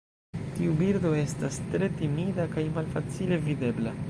Tiu birdo estas tre timida kaj malfacile videbla.